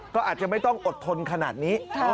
ก็อาจจะไม่ต้องอดทนขนาดนี้